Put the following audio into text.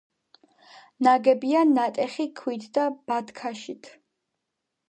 ნაგებია ნატეხი ქვით და ბათქაშით.